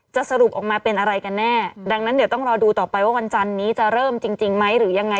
สรุปออกมาเป็นอะไรกันแน่ดังนั้นเดี๋ยวต้องรอดูต่อไปว่าวันจันนี้จะเริ่มจริงไหมหรือยังไง